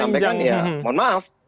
ya kami sampaikan ya mohon maaf